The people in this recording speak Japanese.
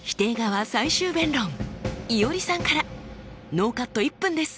ノーカット１分です。